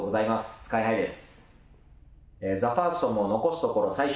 ＳＫＹ−ＨＩです。